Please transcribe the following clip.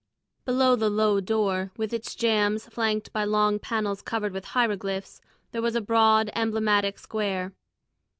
Below the low door, with its jambs flanked by long panels covered with hieroglyphs, there was a broad, emblematic square.